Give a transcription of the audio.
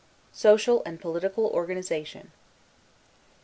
SOCIAL AND POLITICAL ORGANIZATION.